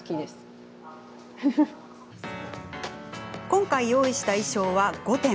今回、用意した衣装は５点。